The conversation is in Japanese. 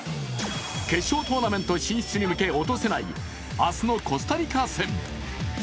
決勝トーナメント進出に向け落とせない、明日のコスタリカ戦。